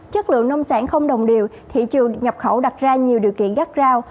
chất lượng nông sản không đồng điều thị trường nhập khẩu đặt ra nhiều điều kiện gắt gao